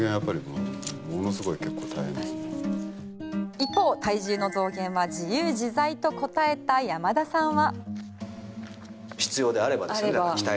一方、体重の増減は自由自在と答えた山田さんは。